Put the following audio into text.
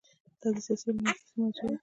دا د سیاسي علومو اساسي موضوع ده.